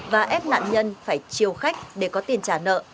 và ép nạn nhân phải chiều khách để có tiền trả nợ